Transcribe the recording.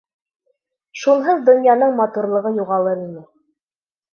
Шунһыҙ донъяның матурлығы юғалыр ине...